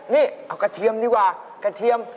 นี่เอากระเทียมดีกว่ากระเทียม